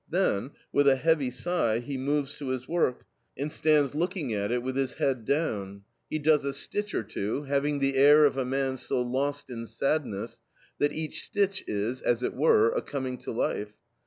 Then, with a heavy sigh, he moves to his work, and stands looking at it, with his head down; he does a stitch or two, having the air of a man so lost in sadness that each stitch is, as it were, a coming to life.